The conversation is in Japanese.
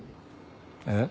えっ？